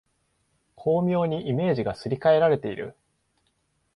巧妙にイメージがすり替えられている